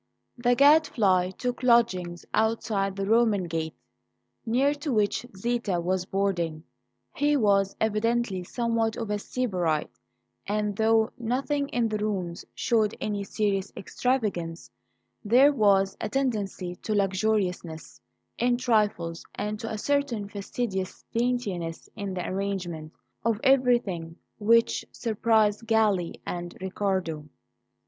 THE Gadfly took lodgings outside the Roman gate, near to which Zita was boarding. He was evidently somewhat of a sybarite; and, though nothing in the rooms showed any serious extravagance, there was a tendency to luxuriousness in trifles and to a certain fastidious daintiness in the arrangement of everything which surprised Galli and Riccardo.